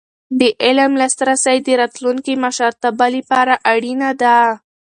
د علم لاسرسی د راتلونکي مشرتابه لپاره اړینه ده.